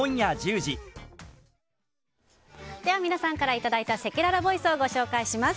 皆さんからいただいたせきららボイスをご紹介します。